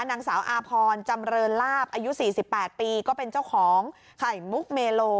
นางสาวอาพรจำเรินลาบอายุ๔๘ปีก็เป็นเจ้าของไข่มุกเมโล